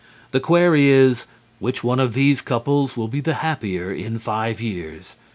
The query is "Which One of These Couples Will be the Happier in Five Years?"